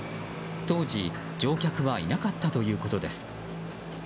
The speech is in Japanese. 当時、乗客はいなかったということです。